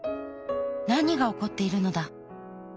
何が起こっているのだ。